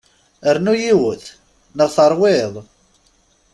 Rnu yiwet, neɣ terwiḍ?